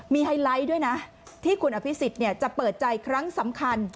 มีไฮไลท์ด้วยนะที่คุณอภิษฎจะเปิดใจครั้งสำคัญ